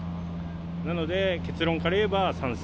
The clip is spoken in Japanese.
なので、結論から言えば賛成。